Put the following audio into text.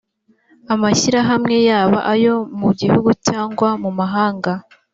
mashyirahamwe yaba ayo mu gihugu cyangwa mu mahanga